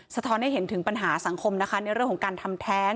สะท้อนให้เห็นถึงปัญหาสังคมนะคะในเรื่องของการทำแท้ง